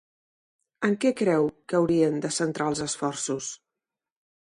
En què creu que haurien de centrar els esforços?